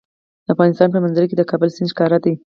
د افغانستان په منظره کې د کابل سیند ښکاره ده.